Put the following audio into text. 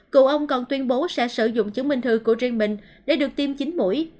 cựu ông còn tuyên bố sẽ sử dụng chứng minh thư của riêng mình để được tiêm chín mũi